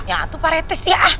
ya itu pak rete sih ya